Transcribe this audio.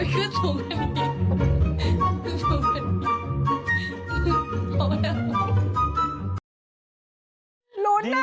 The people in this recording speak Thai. หลุนอ่ะ